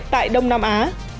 tại đông nam á